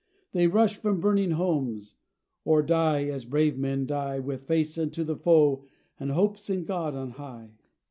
They rush from burning homes, or die, as brave men die, With face unto the foe and hopes in God on high.